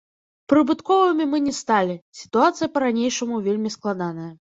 Прыбытковымі мы не сталі, сітуацыя па-ранейшаму вельмі складаная.